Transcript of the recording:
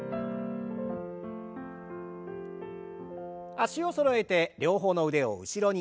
脚をそろえて両方の腕を後ろに。